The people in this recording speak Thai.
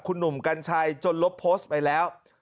คุณหนุ่มกัญชัยจนลบโพสต์ไปแล้ว